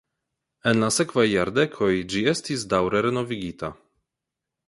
En la sekvaj jardekoj ĝi estis daŭre renovigita.